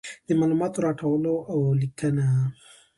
د معلوماتو راټولول او لیکنه.